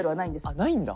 あっないんだ。